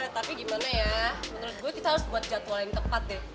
tapi gimana ya menurut gue kita harus buat jadwal yang tepat deh